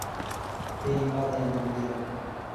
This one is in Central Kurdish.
پێی مەڵێ من دێم.